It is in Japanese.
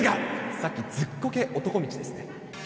さっき、ズッコケ男道ですね。